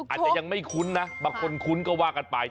อาจจะยังไม่คุ้นนะบางคนคุ้นก็ว่ากันไป